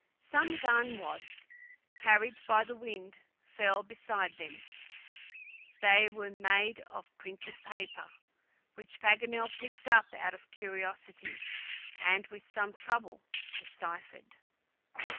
Some gun wads, carried by the wind, fell beside them; they were made of printed paper, which Paganel picked up out of curiosity, and with some trouble deciphered.